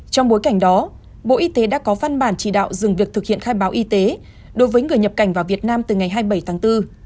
trong bối cảnh đó bộ y tế đã có văn bản chỉ đạo dừng việc thực hiện khai báo y tế đối với người nhập cảnh vào việt nam từ ngày hai mươi bảy tháng bốn